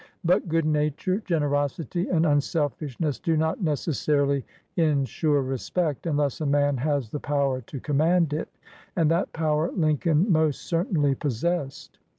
But good nature, generosity, and unselfishness do not necessarily insure respect unless a man has the power to command it, and that power Lincoln most certainly possessed.